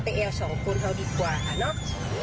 สุดท้ายของพ่อต้องรักมากกว่านี้ครับ